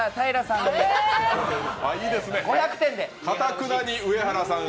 かたくなに上はらさんに。